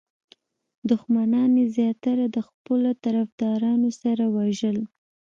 دښمنان یې زیاتره د خپلو طرفدارانو سره وژل.